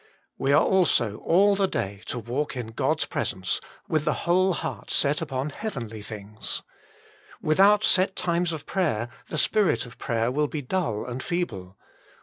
We are also all the day to walk in God s presence, with the whole heart set upon heavenly things. Without set times of prayer the spirit of prayer will be dull and feeble.